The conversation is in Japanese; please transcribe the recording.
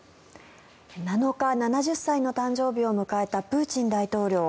７日７０歳の誕生日を迎えたプーチン大統領。